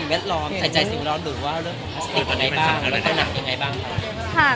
วิ่งอะไรบ้างค่ะ